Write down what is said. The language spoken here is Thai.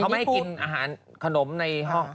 เขาไม่ให้กินอาหารขนมในห้อง